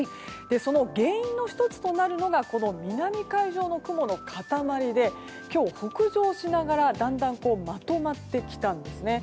その原因の１つとなるのがこの南海上の雲の塊で今日、北上しながらだんだんまとまってきたんですね。